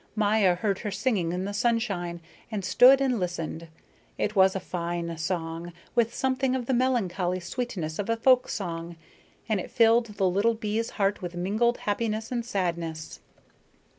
Maya heard her singing in the sunshine. She stood and listened. It was a fine song, with something of the melancholy sweetness of a folksong, and it filled the little bee's heart with mingled happiness and sadness.